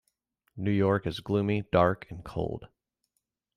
New York is gloomy, dark and cold.